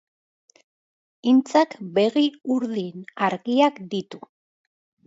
Intzak begi urdin argiak ditu